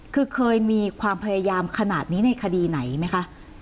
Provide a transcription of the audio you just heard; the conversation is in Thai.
คือเคยมีความพยายามขนาดนี้ในคดีไหนไหมคะ